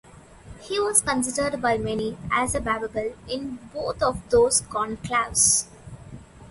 He was considered by many as a "papabile" in both of those conclaves.